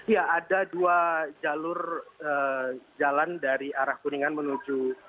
ya ada dua jalur jalan dari arah kuningan menuju